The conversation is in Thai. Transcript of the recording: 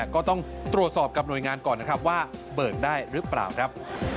ก็ต้องตรวจสอบกับหน่วยงานก่อนนะครับว่าเบิกได้หรือเปล่าครับ